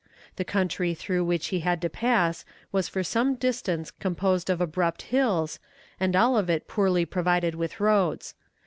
The country through which he had to pass was for some distance composed of abrupt hills, and all of it poorly provided with roads.